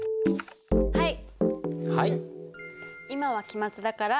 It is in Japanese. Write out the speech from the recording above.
はい！